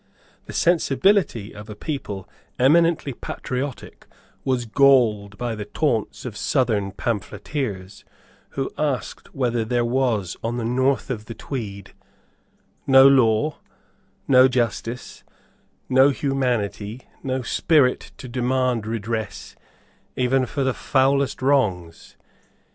The sensibility of a people eminently patriotic was galled by the taunts of southern pamphleteers, who asked whether there was on the north of the Tweed, no law, no justice, no humanity, no spirit to demand redress even for the foulest wrongs.